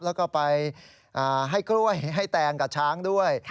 แล้วก็ไปให้กล้วยให้แตงกับช้างด้วย